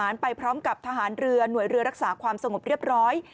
ไปพร้อมกับทหารเรือหน่วยเรือรักษาความสงบเรียบร้อย